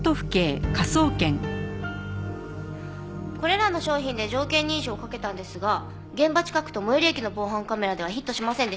これらの商品で条件認証をかけたんですが現場近くと最寄り駅の防犯カメラではヒットしませんでした。